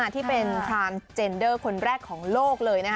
ที่เป็นพรานเจนเดอร์คนแรกของโลกเลย